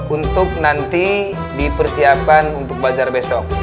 untuk nanti dipersiapkan untuk bazar besok